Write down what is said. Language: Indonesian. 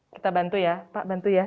kita bantu ya pak bantu ya